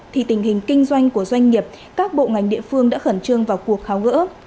thì tình hình kinh doanh của doanh nghiệp các bộ ngành địa phương đã khẩn trương vào cuộc tháo gỡ